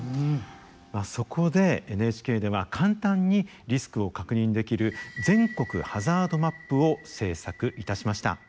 そこでＮＨＫでは簡単にリスクを確認できる全国ハザードマップを制作いたしました。